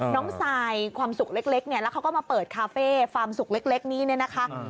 ทรายความสุขเล็กเนี่ยแล้วเขาก็มาเปิดคาเฟ่ฟาร์มสุขเล็กนี้เนี่ยนะคะ